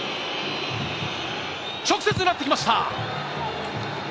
直接奪ってきました！